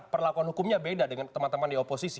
perlakuan hukumnya beda dengan teman teman di oposisi